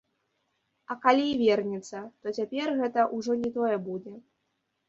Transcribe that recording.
А калі і вернецца, то цяпер гэта ўжо не тое будзе.